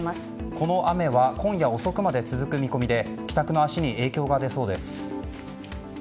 この雨は今夜遅くまで続く見込みで帰宅の足に影響が出そうです。